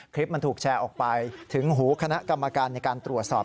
คลิปมันถูกแชร์ออกไปถึงหูคณะกรรมการในการตรวจสอบ